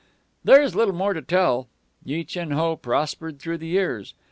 There is little more to tell. Yi Chin Ho prospered through the years.